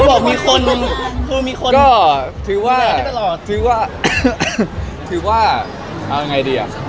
ถ้าบอกมีคนคือมีคนคือว่าถือว่าถือว่าเอาไงดีอ่ะ